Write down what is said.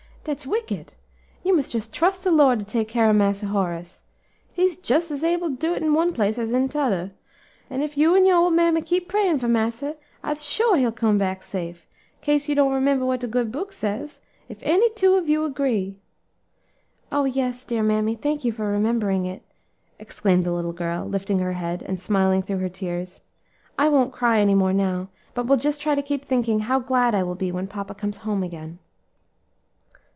dat's wicked; you must jes' trust de Lord to take care of Massa Horace; He's jes' as able to do it one place as in tudder; an ef you an' your ole mammy keep prayin' for Massa, I'se sure he'll come back safe, kase don't you remember what de good book says, 'If any two of you agree '" "Oh! yes, dear mammy, thank you for remembering it," exclaimed the little girl, lifting her head and smiling through her tears. "I won't cry any more now, but will just try to keep thinking how glad I will be when papa comes home again."